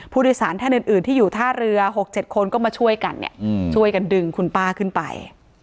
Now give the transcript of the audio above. ผู้โดยสารท่านอื่นที่อยู่ท่าเรือ๖๗คนก็มาช่วยกันเนี่ยช่วยกันดึงคุณป้าขึ้นไป